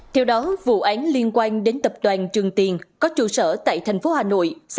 theo đó vụ án liên quan đến tập đoàn trường tiền có trụ sở tại thành phố hà nội